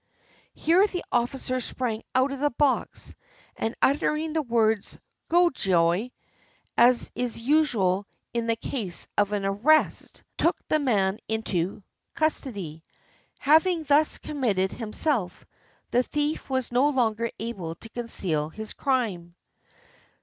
Here the officer sprang out of the box, and uttering the words, "Go Joi," as is usual in the case of an arrest, 374 TADASUKE, THE JAPANESE SOLOMON took the man into custody. Having thus committed himself, the thief was no longer able to conceal his crime.